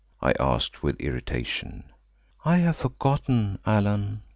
I asked with irritation. "I have forgotten, Allan.